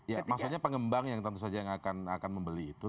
ya maksudnya pengembang yang tentu saja yang akan membeli itu